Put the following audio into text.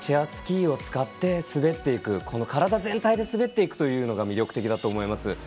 スキーを使って滑っていく体全体で滑っていくのが魅力的だと思います。